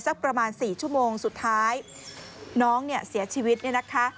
สักประมาณ๔ชั่วโมงสุดท้ายน้องเนี่ยเสียชีวิตเนี่ยนะคะ